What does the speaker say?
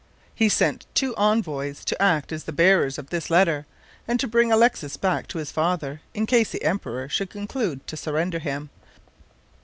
He sent two envoys to act as the bearers of this letter, and to bring Alexis back to his father in case the emperor should conclude to surrender him.